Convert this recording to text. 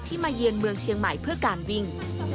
มาเยือนเมืองเชียงใหม่เพื่อการวิ่ง